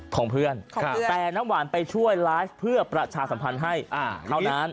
ของเพื่อนแต่น้ำหวานไปช่วยไลฟ์เพื่อประชาสัมพันธ์ให้เท่านั้น